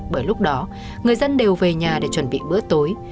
bởi lúc đó người dân đều về nhà để chuẩn bị bữa tối